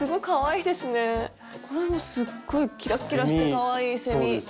これもすっごいキラッキラしてかわいいセミ。